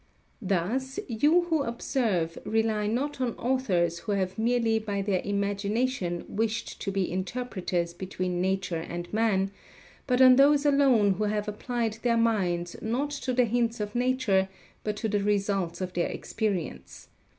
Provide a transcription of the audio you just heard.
Thus, you who observe rely not on authors who have merely by their imagination wished to be interpreters between nature and man, but on those alone who have applied their minds not to the hints of nature but to the results of their experience.